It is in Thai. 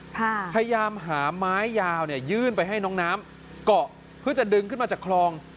พยายามหาไม้ยาวเนี่ยยื่นไปให้น้องน้ำเกาะเพื่อจะดึงขึ้นมาจากคลอง